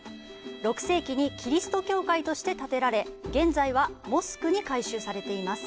６世紀にキリスト教会として建てられ現在はモスクに改修されています。